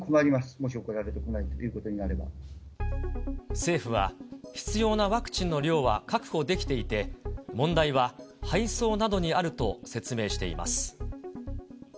もし送られてこないということに政府は、必要なワクチンの量は確保できていて、問題は配送などにあると説明しています。